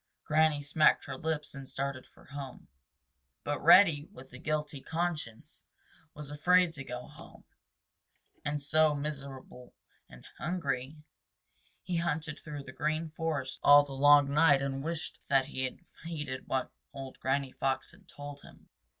Granny smacked her lips and started for home. But Reddy, with a guilty conscience, was afraid to go home. And so, miserable and hungry, he hunted through the Green Forest all the long night and wished and wished that he had heeded what old Granny Fox had told him.